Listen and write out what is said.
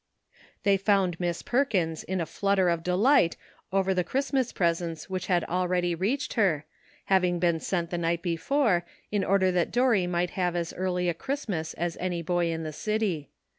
330 ^'LUCK." They found Miss Perkins in a flutter of de light over the Christmas presents which had already reached her, having been sent the night before, in order that Dorry might have as early a Christmas as any boy in the city.